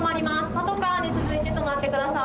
パトカーに続いて止まってください。